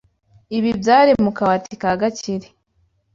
Ibi byari mu kabati ka Gakire.